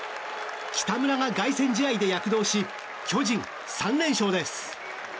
北村が凱旋試合で躍動し巨人、３連勝です。